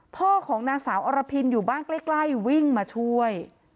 พ่อของนางสาวอรพินอยู่บ้านใกล้วิ่งมาช่วย